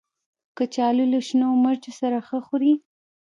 کچالو له شنو مرچو سره ښه خوري